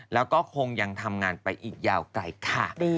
แล้วก็คงยังทำงานไปอีกยาวไกลค่ะ